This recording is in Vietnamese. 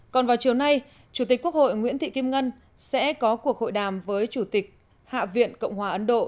còn vào chiều nay chủ tịch quốc hội nguyễn thị kim ngân sẽ có cuộc hội đàm với chủ tịch hạ viện cộng hòa ấn độ